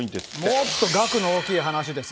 もっと額の大きい話です。